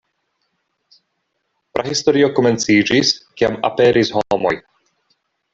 Prahistorio komenciĝis, kiam "aperis" homoj.